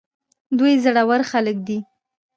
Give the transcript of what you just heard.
دوی زړه ور خلک دي.